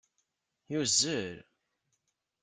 Yuzel